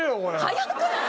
早くない？